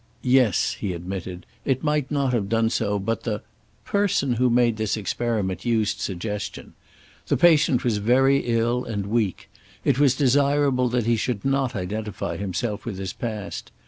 "Yes," he admitted. "It might not have done so, but the the person who made this experiment used suggestion. The patient was very ill, and weak. It was desirable that he should not identify himself with his past.